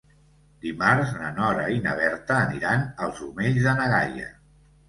Dimarts na Nora i na Berta aniran als Omells de na Gaia.